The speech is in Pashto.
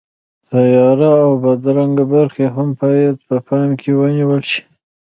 تیاره او بدرنګه برخې هم باید په پام کې ونیول شي.